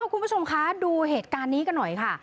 คุณผู้ชมคะดูเหตุการณ์นี้กันหน่อยค่ะ